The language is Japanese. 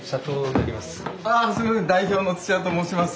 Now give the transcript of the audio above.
代表の土屋と申します。